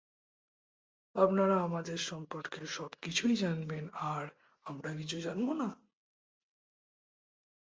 আপনারা আমাদের সম্পর্কে সবকিছুই জানবেন, আর আমরা কিছু জানব না।